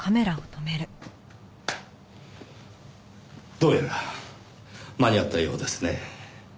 どうやら間に合ったようですね。